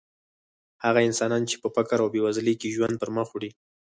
هغه انسانان چې په فقر او بېوزلۍ کې ژوند پرمخ وړي.